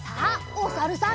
おさるさん。